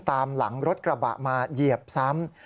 ตามหลังรถกระบะมาเหยียบซ้ำ